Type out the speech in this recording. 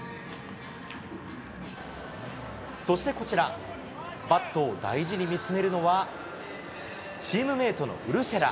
そしてこちら、バットを大事に見つめるのは、チームメートのウルシェラ。